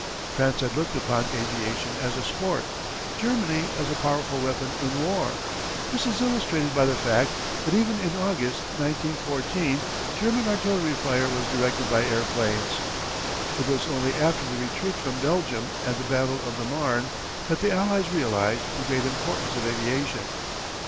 "France had looked upon aviation as a sport, Germany as a powerful weapon in war. This is illustrated by the fact that even in August, 1914, German artillery fire was directed by airplanes. "It was only after the retreat from Belgium and the battle of the Marne that the Allies realized the great importance of aviation.